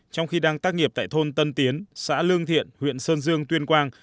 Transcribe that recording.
trong khi đang tác nghiệp tại thôn tân tiến xã lương thiện huyện sơn dương tuyên quang